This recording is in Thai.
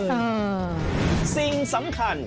เฮยกตำบล